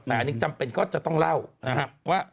แต่อันนี้จำเป็นก็จะต้องเล่น